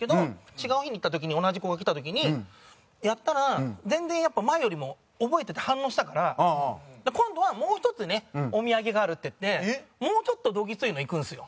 違う日に行った時に同じ子が来た時にやったら全然やっぱ前よりも覚えてて反応したから今度はもう１つお土産があるって言ってもうちょっとどぎついのいくんですよ。